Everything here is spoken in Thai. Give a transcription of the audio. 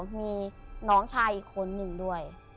แต่มีน้องชายอีกคนนึงด้วย